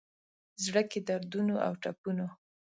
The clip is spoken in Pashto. زړه کي دردونو اوټپونو،